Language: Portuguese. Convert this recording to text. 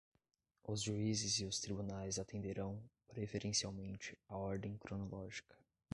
Os juízes e os tribunais atenderão, preferencialmente, à ordem cronológica